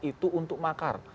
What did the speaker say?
itu untuk makar